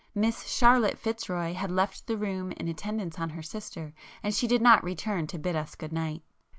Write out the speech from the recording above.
Miss Charlotte Fitzroy had left the room in attendance on her sister, and she did not return to bid us good night.